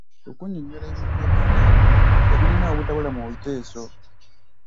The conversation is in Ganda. Okunnyonnyola ebintu eby'enjawulo ebirina obutabula mu biteeso.